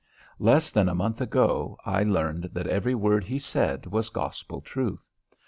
Less than a month ago, I learned that every word he said was gospel truth.